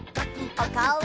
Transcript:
おかおを！